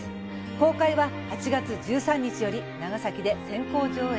公開は８月１３日より長崎で先行上映。